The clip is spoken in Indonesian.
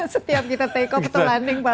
setiap kita take off atau landing pasti